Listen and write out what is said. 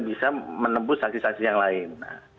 bisa menembus saksi saksi yang lain